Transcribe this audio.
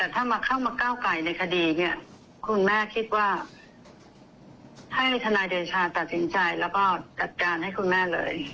ที่ถนัยเดชาตัดสินใจและป้องจากการให้คุณแม่เลย